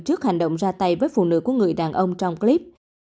trước hành động ra tay với phụ nữ của người đàn ông trong clip